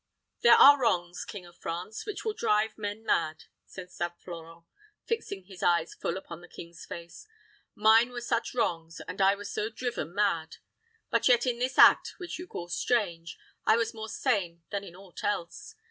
"There are wrongs, King of France, which will drive men mad," said St. Florent, fixing his eyes full upon the king's face. "Mine were such wrongs, and I was so driven mad. But yet in this act, which you call strange, I was more sane than in aught else.